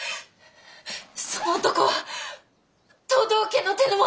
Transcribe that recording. その男は藤堂家の手の者。